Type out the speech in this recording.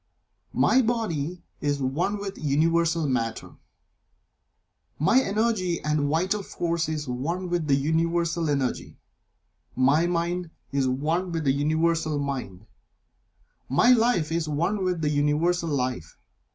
My body is one with Universal Matter; My energy and vital force is one with the Universal Energy; My Mind is one with the Universal Mind; My Life is one with the Universal Life.